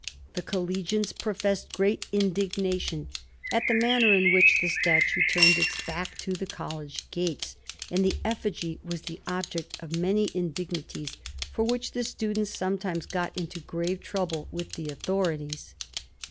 The collegians professed great indignation at the manner in which the statue turned its back to the college gates, and the effigy was the object of many indignities, for which the students sometimes got into grave trouble with the authorities.